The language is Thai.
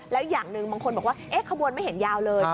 แล้วอย่างหนึ่งบางคนบอกว่าขบวนไม่เห็นยาวเลย